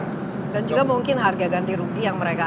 dan juga mungkin harga ganti rugi yang mereka ada